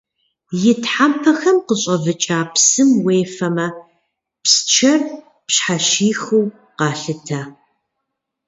И тхьэмпэхэм къыщӏэвыкӏа псым уефэмэ, псчэр пщхьэщихыу къалъытэ.